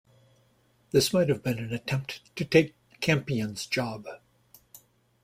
This might have been an attempt to take Campion's job.